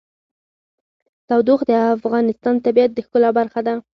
تودوخه د افغانستان د طبیعت د ښکلا برخه ده.